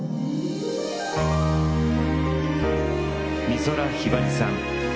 美空ひばりさん。